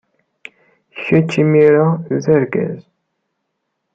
Kečč imir-a d argaz.